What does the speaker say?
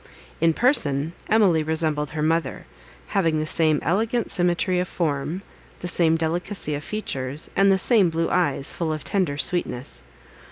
In person, Emily resembled her mother; having the same elegant symmetry of form, the same delicacy of features, and the same blue eyes, full of tender sweetness.